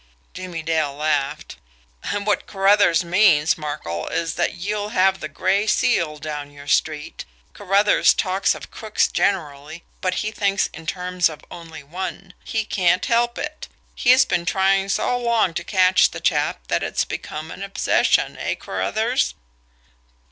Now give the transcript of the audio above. Jimmie Dale laughed. "What Carruthers means, Markel, is that you'll have the Gray Seal down your street. Carruthers talks of crooks generally, but he thinks in terms of only one. He can't help it. He's been trying so long to catch the chap that it's become an obsession. Eh, Carruthers?"